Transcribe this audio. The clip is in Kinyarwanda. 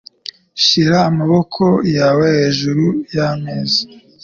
Shira amaboko yawe hejuru yameza.